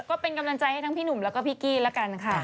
ก็เป็นกำลังใจให้ทั้งพี่หนุ่มแล้วก็พี่กี้ละกันค่ะ